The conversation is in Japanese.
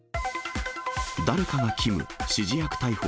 誰かがキム、指示役逮捕。